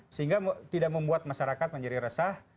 sehingga tidak membuat masyarakat menjadi resah